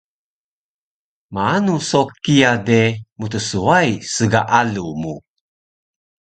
Maanu so kiya de mtswai sgaalu mu